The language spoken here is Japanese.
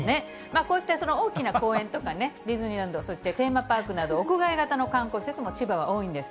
こうして大きな公園とかね、ディズニーランドといったテーマパークなど、屋外型の観光施設も千葉は多いんです。